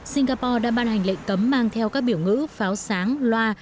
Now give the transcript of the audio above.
singapore đã ban hành lệnh cấm mang theo các biểu ngữ pháo sáng loa